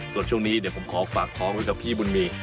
ส่วนช่วงนี้เดี๋ยวผมขอฝากท้องไว้กับพี่บุญมี